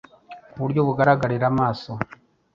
ku buryo bugaragarira amaso